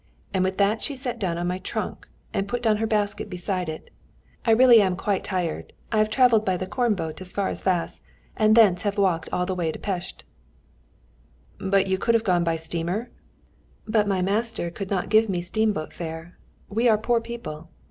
And with that she sat down on my trunk, and put down her basket beside it. "I really am quite tired. I have travelled by the corn boat as far as Vácz, and thence I have walked all the way to Pest." [Footnote 33: Waitzen.] "But you could have gone by steamer?" "But my master could not give me steamboat fare. We are poor people.